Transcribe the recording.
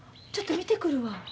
ちょっと見てくるわ。